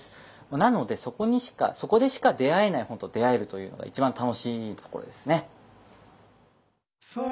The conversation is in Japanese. なのでそこでしか出会えない本と出会えるというのが一番楽しいところですね。